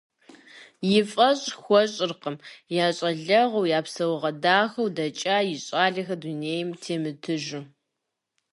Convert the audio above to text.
И фӀэщ хуэщӀыркъым я щӀалэгъуэу, я псэугъуэ дахэу дэкӀа и щӀалэхэр дунейм темытыжу.